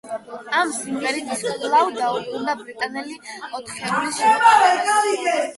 ამ სიმღერით ის კვლავ დაუბრუნდა ბრიტანელი ოთხეულის შემოქმედებას.